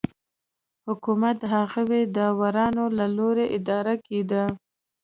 حکومت د هغو داورانو له لوري اداره کېده